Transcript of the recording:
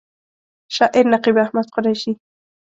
شاعر: نقیب احمد قریشي